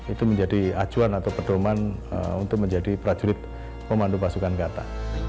itu menjadi acuan atau pedoman untuk menjadi prajurit pemandu pasukan kata